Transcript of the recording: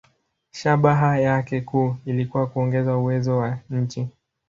Shabaha yake kuu ilikuwa kuongeza uwezo wa nchi.